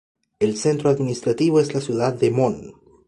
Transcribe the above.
El centro administrativo es la ciudad de Mon.